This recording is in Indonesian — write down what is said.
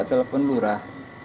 coba telepon lurah